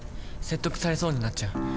説得されそうになっちゃう。